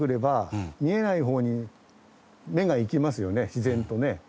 自然とね。